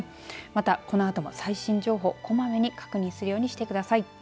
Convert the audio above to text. また、このあとも最新情報こまめに確認するようにしてください。